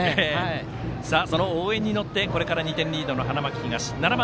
その応援に乗って２点リードの花巻東。